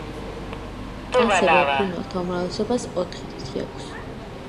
მტაცებელ ფრინველთა უმრავლესობას ოთხი თითი აქვთ.